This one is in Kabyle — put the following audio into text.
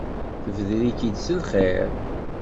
Tebder-ik-id s lxir.